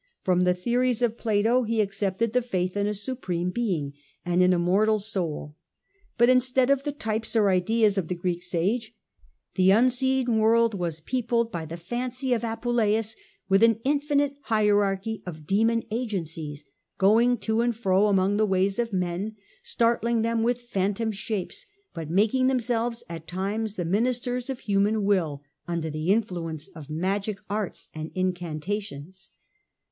From the theories of Plato he accepted the faith in a Supreme Being and an immortal soul; but instead of the types or ideas of the Greek sage, the unseen world was peopled by the fancy of Apuleius with an infinite hierarchy of demon agencies, going to and fro among the ways of men, startling them with phantom shapes, but making themselves at times the ministers of human will under the influence of magic arts and incantations.